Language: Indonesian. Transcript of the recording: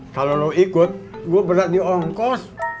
kalau lu ikut gue berat diongkos